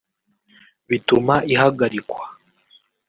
bituma ihagarikwa